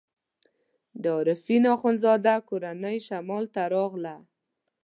د عارفین اخندزاده کورنۍ شمال ته راغله.